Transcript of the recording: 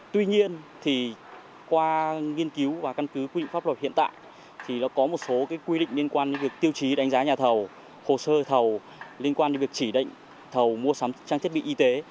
tuy nhiên thì qua nghiên cứu và căn cứ quy định pháp luật hiện tại thì nó có một số quy định liên quan đến việc tiêu chí đánh giá nhà thầu hồ sơ thầu liên quan đến việc chỉ định thầu mua sắm trang thiết bị y tế